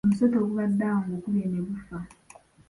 Omusota ogubadde awo ngukubye ne gufa.